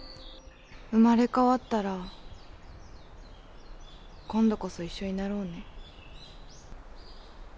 生まれ変わったら今度こそ一緒になろうね。